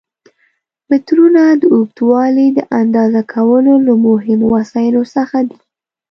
مترونه د اوږدوالي د اندازه کولو له مهمو وسایلو څخه دي.